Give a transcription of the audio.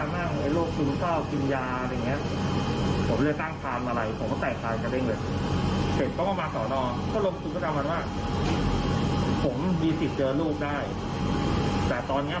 ผมมีสิทธิ์เจอลูกได้แต่ตอนเนี่ยผมลูกเขาไม่ให้เจอเลยนะ